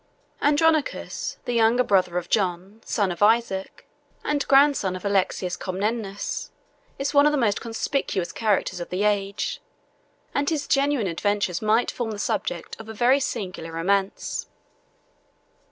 Andronicus, the younger brother of John, son of Isaac, and grandson of Alexius Comnenus, is one of the most conspicuous characters of the age; and his genuine adventures might form the subject of a very singular romance.